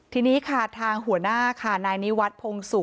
ทีนี้ค่ะทางหัวหน้าค่ะนายนิวัฒน์พงศุ